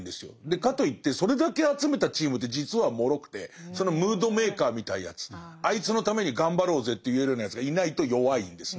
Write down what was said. かといってそれだけ集めたチームって実はもろくてそのムードメーカーみたいなやつあいつのために頑張ろうぜって言えるようなやつがいないと弱いんですね。